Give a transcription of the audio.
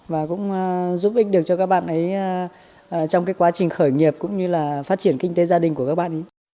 và cũng giúp ích được cho các bạn ấy trong cái quá trình khởi nghiệp cũng như là phát triển kinh tế gia đình của các bạn ấy